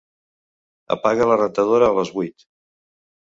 Apaga la rentadora a les vuit.